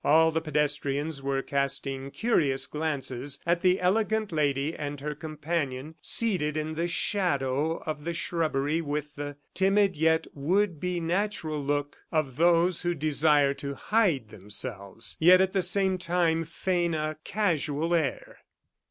All the pedestrians were casting curious glances at the elegant lady and her companion seated in the shadow of the shrubbery with the timid yet would be natural look of those who desire to hide themselves, yet at the same time feign a casual air.